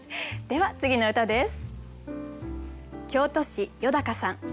では次の歌です。